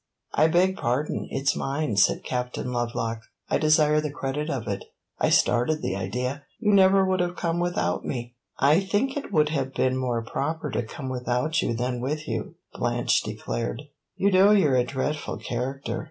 "I beg pardon it 's mine," said Captain Lovelock. "I desire the credit of it. I started the idea; you never would have come without me." "I think it would have been more proper to come without you than with you," Blanche declared. "You know you 're a dreadful character."